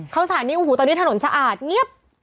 เข้าสารโอ้โหตอนนี้ถนนสะอาดเงี๊ยบ